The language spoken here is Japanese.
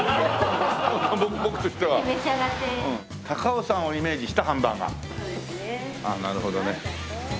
高尾山をイメージしたハンバーガー。